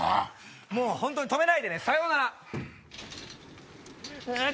もうホントに止めないでねさようならねえ